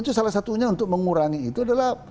itu salah satunya untuk mengurangi itu adalah